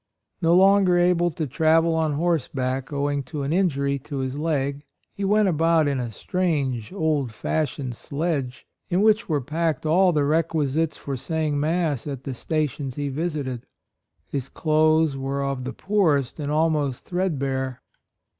No longer able to travel on horseback owing to an injury to his leg, he went about in a strange old fashioned sledge, in which were packed all the requisites for saying Mass at the stations he visited. His clothes were of the poorest and almost thread bare.